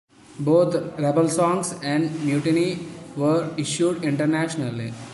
Both "Rebel Songs" and "Mutiny" were also issued internationally.